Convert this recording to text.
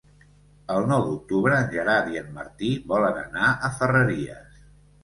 El nou d'octubre en Gerard i en Martí volen anar a Ferreries.